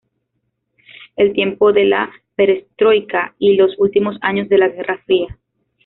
Es tiempo de la "perestroika" y los últimos años de la guerra fría.